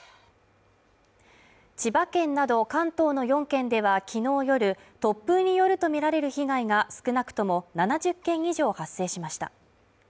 千葉県など関東の４県ではきのう夜、突風によるとみられる被害が少なくとも７０件以上発生しました。